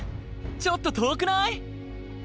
ちょっと遠くない？